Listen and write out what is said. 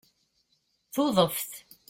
Tuḍeft